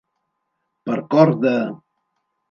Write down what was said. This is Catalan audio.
Per cor de.